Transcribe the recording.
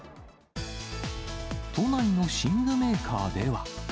都内の寝具メーカーでは。